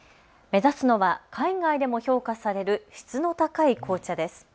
目指すのは海外でも評価される質の高い紅茶です。